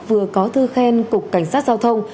vừa có thư khen cục cảnh sát giao thông